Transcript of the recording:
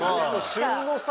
旬のさ